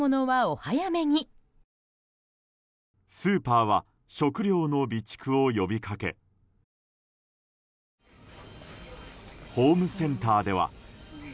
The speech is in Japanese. スーパーは食料の備蓄を呼びかけホームセンターでは。